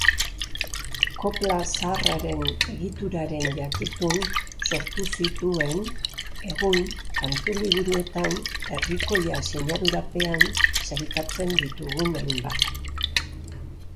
Kopla zaharraren egituraren jakitun sortu zituen egun kantu-liburuetan Herrikoia sinadurapean sailkatzen ditugun hainbat.